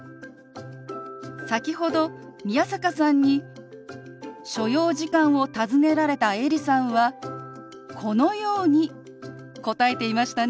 先ほど宮坂さんに所要時間を尋ねられたエリさんはこのように答えていましたね。